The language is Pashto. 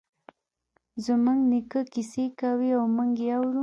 زموږ نیکه کیسې کوی او موږ یی اورو